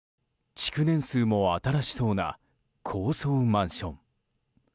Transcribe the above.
築年数も新しそうな高層マンション。